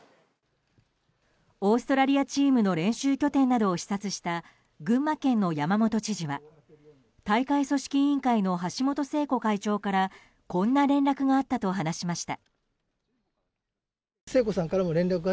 オーストラリアチームの練習拠点などを視察した群馬県の山本知事は大会組織委員会の橋本聖子会長からこんな連絡があったと話しました。